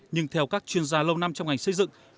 nhưng theo các chuyên gia lâu năm trong ngành xây dựng